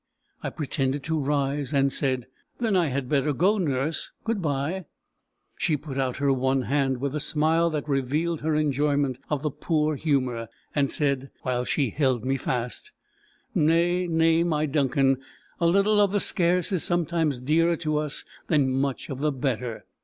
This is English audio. I pretended to rise, and said: "Then I had better go, nurse. Good bye." She put out her one hand, with a smile that revealed her enjoyment of the poor humour, and said, while she held me fast: "Nay, nay, my Duncan. A little of the scarce is sometimes dearer to us than much of the better.